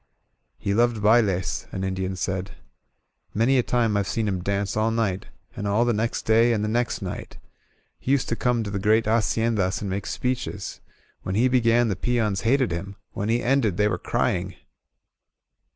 " "He loved baUei, an Indian said. "Many a time I've seen him dance all night, and all the next day, and the next night. He used to come to the great Hacien das and make speeches. When he began the peons hated him; when he ended they were crying.